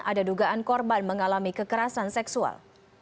ada dugaan korban mengalami kekerasan seksual